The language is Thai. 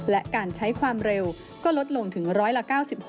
และการใช้ความเร็วก็ลดลงถึงร้อยละ๙๖